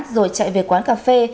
rồi chạy về quán cà phê